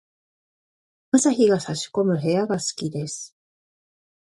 朝日が差し込む部屋が好きです。